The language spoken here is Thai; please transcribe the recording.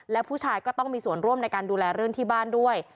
และผู้ชายก็ต้องมีส่วนร่วมในการดูแลเรื่องที่บ้านด้วย